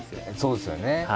そうですよね。